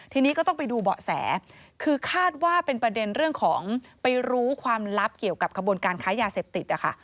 ทีนี้ก็ต้องไปดูเบาะแสคือคาดว่าเป็นประเด็นเรื่องของไปรู้ความลับเกี่ยวกับขบวนการค้ายาเสพติดนะคะ